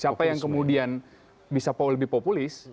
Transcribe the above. siapa yang kemudian bisa lebih populis